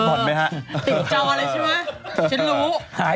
สวัสดีครับ